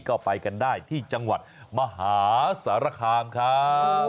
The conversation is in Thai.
ก็ไปกันได้ที่จังหวัดมหาสารคามครับ